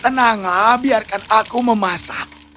tenanglah biarkan aku memasak